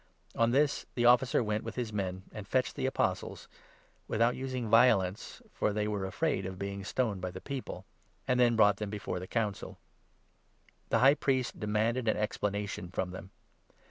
On 26 this, the Officer went with his men and fetched the Apostles' — without using violence, for they were afraid of being stoned by the people — and then brought them before the Council. 27 The High Priest demanded an explanation from them.